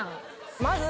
まず。